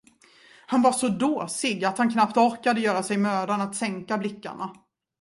Han var så dåsig, att han knappt orkade göra sig mödan att sänka blickarna.